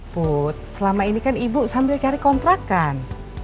put selama ini kan ibu sambil cari kontrakan